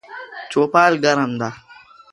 چوپال ګرم ده